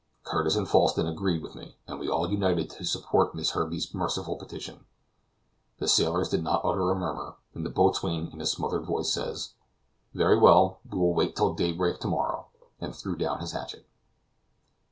Curtis and Falsten agreed with me, and we all united to support Miss Herbey's merciful petition. The sailors did not utter a murmur, and the boatswain in a smothered voice said: "Very well, we will wait till daybreak to morrow," and threw down his hatchet.